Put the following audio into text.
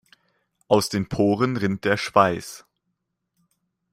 Aus den Poren rinnt der Schweiß.